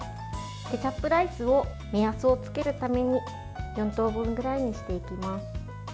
ケチャップライスを目安をつけるために４等分ぐらいにしていきます。